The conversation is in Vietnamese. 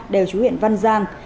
đều trú huyện văn giang